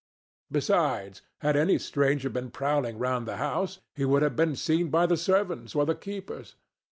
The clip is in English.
Besides, had any stranger been prowling round the house, he would have been seen by the servants or the keepers.